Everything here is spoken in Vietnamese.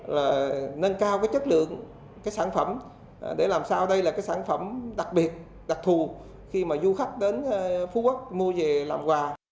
là nâng cao cái chất lượng cái sản phẩm để làm sao đây là cái sản phẩm đặc biệt đặc thù khi mà du khách đến phú quốc mua về làm quà